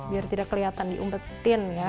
biar tidak kelihatan diungbekin ya